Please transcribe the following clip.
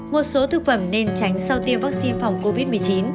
một số thực phẩm nên tránh sau tiêm vắc xin phòng covid một mươi chín